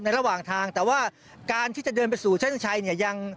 ในระหว่างทางแต่ว่าการที่จะเดินไปสู่เช่นชัย